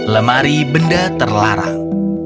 lemari benda terlarang